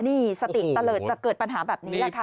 นี่สติเตลิศจะเกิดปัญหาแบบนี้แหละค่ะ